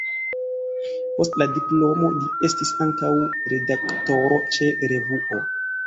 Post la diplomo li estis ankaŭ redaktoro ĉe revuo.